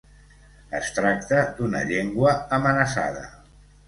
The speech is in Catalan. Es tracta d'una llengua amenaçada.